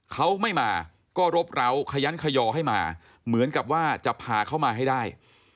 เขาไม่มาก็รบร้าวขยันขยอให้มาเหมือนกับว่าจะพาเขามาให้ได้